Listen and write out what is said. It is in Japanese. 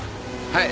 はい。